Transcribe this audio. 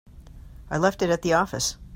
I left it at the office.